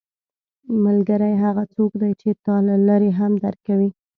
ملګری هغه څوک دی چې تا له لرې هم درک کوي